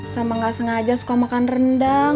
sama gak sengaja suka makan rendang